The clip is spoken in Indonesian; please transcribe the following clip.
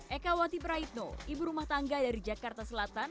eka wati praitno ibu rumah tangga dari jakarta selatan